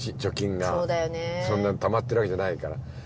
そんなたまってるわけじゃないから。